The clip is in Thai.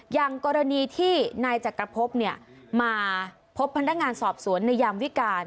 อย่างกรณีที่นายจักรพบมาพบพนักงานสอบสวนในยามวิการ